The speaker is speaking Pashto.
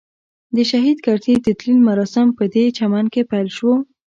د شهید کرزي د تلین مراسم پدې چمن کې پیل وو.